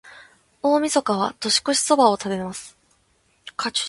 大晦日は、年越しそばを食べます。